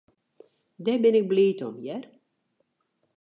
Dêr bin ik bliid om, hear.